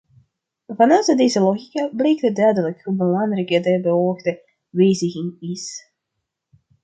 Vanuit deze logica blijkt duidelijk hoe belangrijk de beoogde wijziging is.